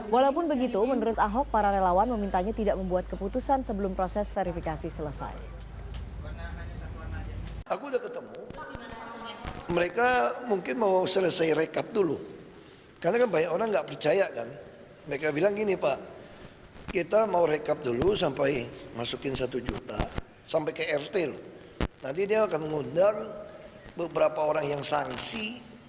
walaupun begitu menurut ahok para relawan memintanya tidak membuat keputusan sebelum proses verifikasi selesai